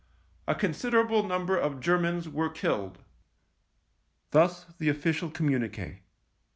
A consider able number of Germans were killed." Thus the official communique.